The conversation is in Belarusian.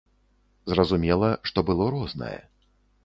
Зразумела, што было рознае.